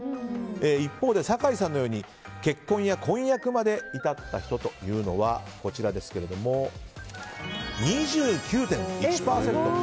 一方で酒井さんのように結婚や婚約まで至った人は２９．１％と。